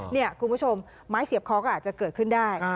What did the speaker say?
นี่คุณผู้ชมไม้เสียบคอก็อาจจะเกิดขึ้นได้